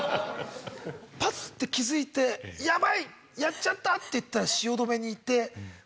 パッて気付いて「ヤバい！やっちゃった」っていったら汐留にいて。